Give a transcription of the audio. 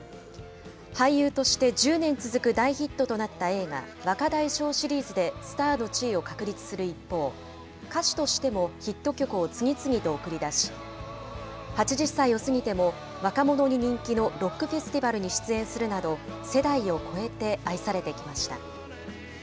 俳優として１０年続く大ヒットとなった映画、若大将シリーズでスターの地位を確立する一方、歌手としてもヒット曲を次々と送り出し、８０歳を過ぎても若者に人気のロックフェスティバルに出演するなど、世代を超えて愛されてきました。